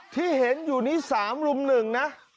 ที่เห็นอยู่นี้สามรุ่มหนึ่งนะ